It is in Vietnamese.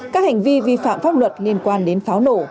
các hành vi vi phạm pháp luật liên quan đến pháo nổ